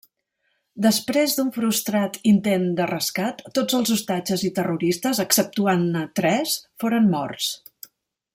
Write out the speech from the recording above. Després d'un frustrat intent de rescat, tots els ostatges i terroristes, exceptuant-ne tres, foren morts.